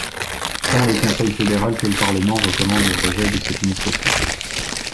Tant le Conseil fédéral que le parlement recommandemz le rejet de cette initiative.